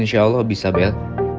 insya allah bisa bel